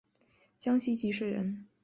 江西吉水人。